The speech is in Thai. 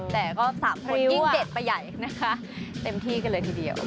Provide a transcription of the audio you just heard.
แต่ก็๓คนยิ่งเด็ดไปใหญ่นะคะเต็มที่กันเลยทีเดียว